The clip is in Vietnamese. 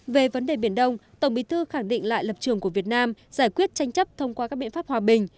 về vấn đề biển đông tổng bí thư khẳng định lại lập trường của việt nam giải quyết tranh chấp thông qua các biện pháp hòa bình